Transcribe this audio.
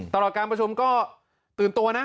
ตลอดการประชุมก็ตื่นตัวนะ